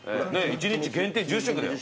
１日限定１０食だよ。